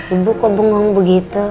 ibu kok bengong begitu